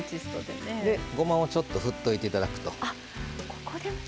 ごまを、ちょっと振っておいていただくと。